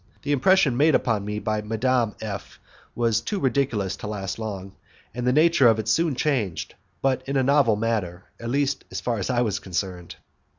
The impression made upon me by Madame F was too ridiculous to last long, and the nature of it soon changed, but in a novel manner, at least as far as I was concerned.